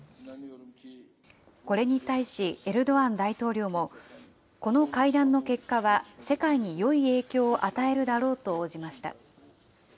これに対しエルドアン大統領も、この会談の結果は世界によい影響を与えるだろうと応じました。